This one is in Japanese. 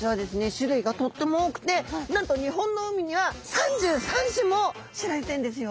種類がとっても多くてなんと日本の海には３３種も知られてるんですよ。